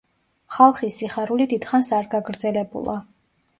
ხალხის სიხარული დიდხანს არ გაგრძელებულა.